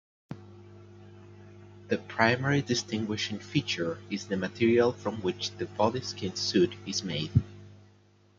The primary distinguishing feature is the material from which the bodyskin suit is made.